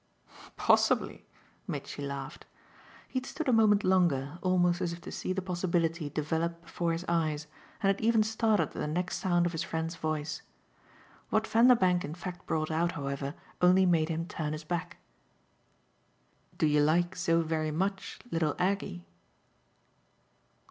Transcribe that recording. "Possibly!" Mitchy laughed. He had stood a moment longer, almost as if to see the possibility develop before his eyes, and had even started at the next sound of his friend's voice. What Vanderbank in fact brought out, however, only made him turn his back. "Do you like so very much little Aggie?"